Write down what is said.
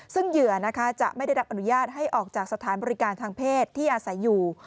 ซึ่งเหยื่อนะคะจะไม่ได้รับอนุญาตให้ออกจากสถานบริการทางเพศที่อาศัยอยู่